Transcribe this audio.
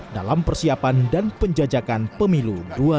dalam persiapan dan penjajakan pemilu dua ribu dua puluh